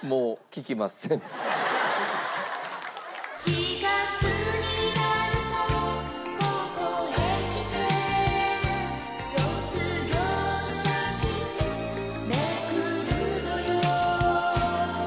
「４月になるとここへ来て」「卒業写真めくるのよ」